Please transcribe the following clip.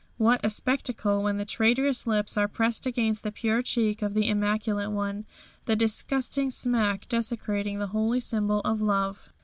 What a spectacle when the traitorous lips are pressed against the pure cheek of the Immaculate One, the disgusting smack desecrating the holy symbol of love.